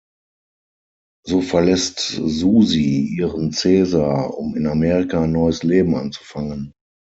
So verlässt Suzie ihren Cesar, um in Amerika ein neues Leben anzufangen.